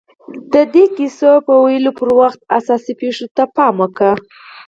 د دې کیسې د لوستلو پر وخت اساسي پېښو ته پام وکړئ